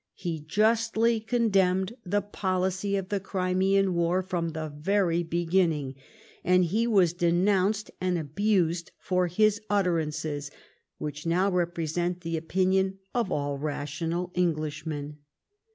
He justly condemned the policy of the Crimean War from the very beginning, and he was denounced and abused for his utterances, which now represent the opinion of all rational Englishmen.